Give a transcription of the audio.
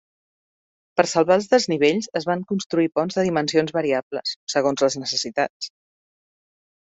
Per salvar els desnivells es van construir ponts de dimensions variables, segons les necessitats.